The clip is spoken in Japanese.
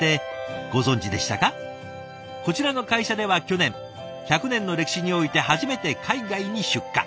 こちらの会社では去年１００年の歴史において初めて海外に出荷。